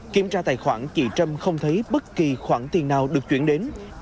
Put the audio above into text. kiểm tra tài khoản chị trâm không thấy bất kỳ khoản tiền nào được chuyển đến